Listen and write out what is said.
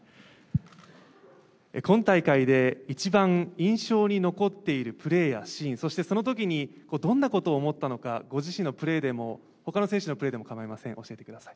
今大会で一番印象に残っているプレーやシーン、そしてそのときにどんなことを思ったのか、ご自身のプレーでもほかの選手のプレーでも構いません。